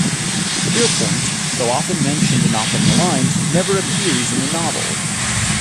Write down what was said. Pierpoint, though often mentioned and often maligned, never appears in the novel.